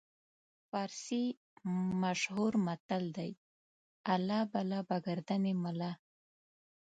فارسي مشهور متل دی: الله بلا به ګردن ملا.